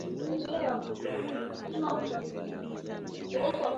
Baibui kama mavazi yao huwasitiri wanawake na vigori